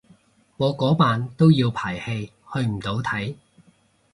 我嗰晚都要排戲去唔到睇